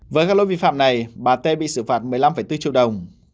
với các lỗi vi phạm này bà tê bị xử phạt một mươi năm bốn triệu đồng